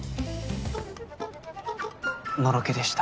のろけでした。